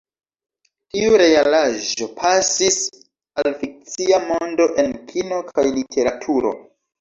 Tiu realaĵo pasis al fikcia mondo en kino kaj literaturo.